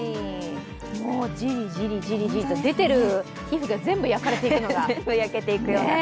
もうジリジリジリジリと出ている皮膚が全部焼かれていくような。